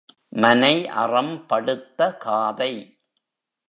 மனை அறம் படுத்த காதை.